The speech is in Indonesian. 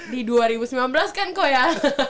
di dua ribu sembilan belas kan kok ya